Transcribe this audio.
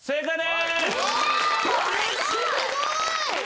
すごい！